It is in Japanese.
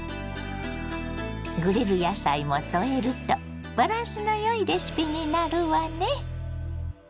グリル野菜も添えるとバランスのよいレシピになるわね。